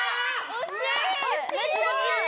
惜しい！